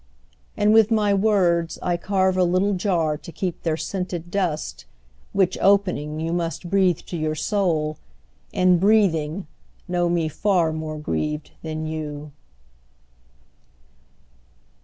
And with my words I carve a little jar To keep their scented dust, Which, opening, you must Breathe to your soul, and, breathing, know me far More grieved than you.